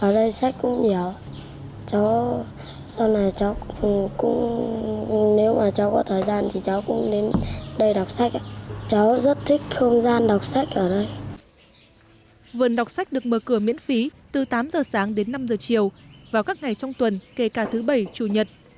vườn đọc sách được mở cửa miễn phí từ tám giờ sáng đến năm giờ chiều vào các ngày trong tuần kể cả thứ bảy chủ nhật